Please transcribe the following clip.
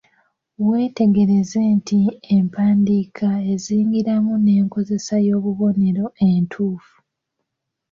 Weetegereze nti empandiika ezingiramu n’enkozesa y’obubonero entuufu.